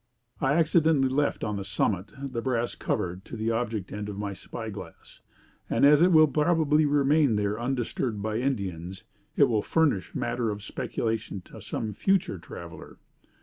"'I accidentally left on the summit the brass cover to the object end of my spy glass; and as it will probably remain there undisturbed by Indians, it will furnish matter of speculation to some future traveler.